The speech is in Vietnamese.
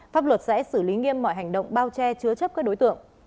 pháp luật sẽ xử lý nghiêm mọi hành động bao che chứa chấp các đối tượng